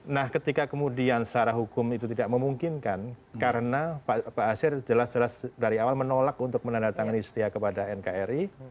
nah ketika kemudian secara hukum itu tidak memungkinkan karena pak asyir ⁇ jelas jelas dari awal menolak untuk menandatangani setia kepada nkri